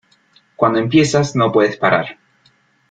Cuando empiezas, no puedes parar.